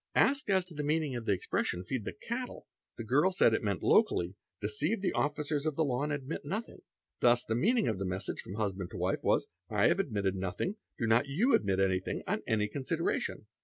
Asked as to the meaning of the expression "feed the cattle," d j the girl said it meant locally "deceive the officers of the law and admit | nothing.'"' 'Thus the meaning of the message from husband to wife wa "T have admitted nothing; do not you admit anything, on any consi i ation."